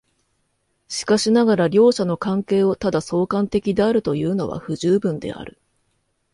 しかしながら両者の関係をただ相関的であるというのは不十分である。